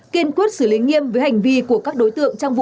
kiên quyết xử lý nghiêm với hành vi của các đối tượng